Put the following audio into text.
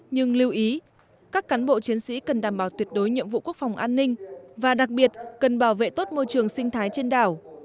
nhưng lưu ý các cán bộ chiến sĩ cần đảm bảo tuyệt đối nhiệm vụ quốc phòng an ninh và đặc biệt cần bảo vệ tốt môi trường sinh thái trên đảo